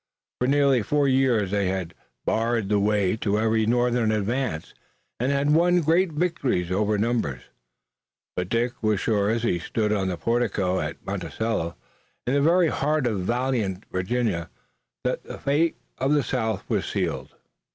For nearly four years they had barred the way to every Northern advance, and had won great victories over numbers, but Dick was sure as he stood on a portico at Monticello, in the very heart of valiant Virginia, that the fate of the South was sealed.